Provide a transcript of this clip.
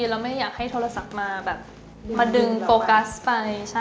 เราไม่อยากให้โทรศัพท์มาแบบมาดึงโฟกัสไป